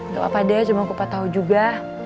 gak apa deh cuma kupat tahu juga